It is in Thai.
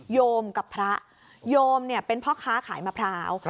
โยมกับพระโยมเนี่ยเป็นพ่อค้าขายมะพร้าว